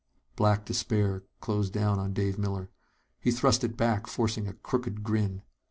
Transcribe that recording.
Black despair closed down on Dave Miller. He thrust it back, forcing a crooked grin.